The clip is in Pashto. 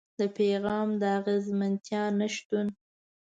د پيغام د اغېزمنتيا نشتون.